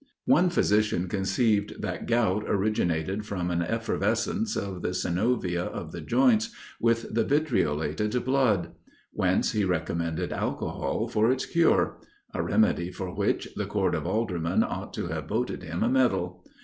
One physician conceived that gout originated from an effervescence of the synovia of the joints with the vitriolated blood: whence he recommended alcohol for its cure: a remedy for which the court of aldermen ought to have voted him a medal.